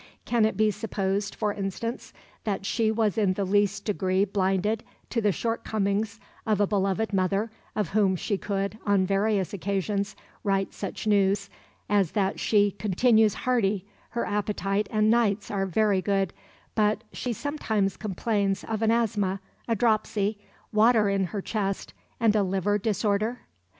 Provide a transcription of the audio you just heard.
Can it be supposed, for instance, that she was in the least degree blinded to the shortcomings of a beloved mother of whom she could, on various occasions, write such news as that she "continues hearty, her appetite and nights are very good, but she sometimes complains of an asthma, a dropsy, water in her chest, and a liver disorder"?